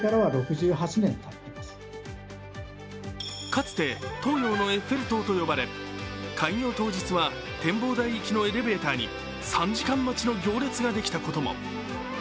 かつて東洋のエッフェル塔と呼ばれ、開業当日は展望台行きのエレベーターに３時間待ちの行列ができたことも。